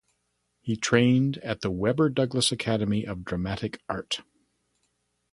He trained at the Webber Douglas Academy of Dramatic Art.